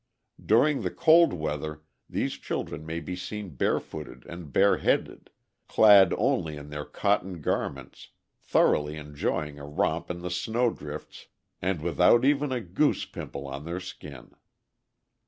During the cold weather these children may be seen barefooted and bareheaded, clad only in their cotton garments, thoroughly enjoying a romp in the snowdrifts, and without even a goose pimple on their skin.